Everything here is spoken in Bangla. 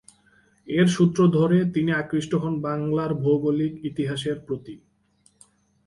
এর সূত্র ধরে তিনি আকৃষ্ট হন বাংলার ভৌগোলিক ইতিহাসের প্রতি।